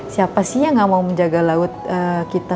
siapa sih yang gak mau menjaga laut kita